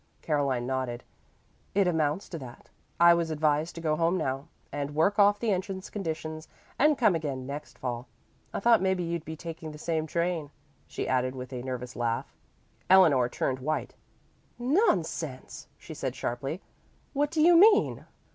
Caroline nodded. "It amounts to that. I was advised to go home now, and work off the entrance conditions and come again next fall. I thought maybe you'd be taking the same train," she added with a nervous laugh. Eleanor turned white. "Nonsense!" she said sharply. "What do you mean?"